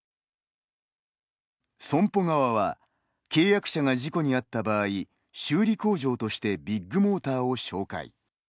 損保側は契約者が事故に遭った場合修理工場としてビッグモーターを紹介。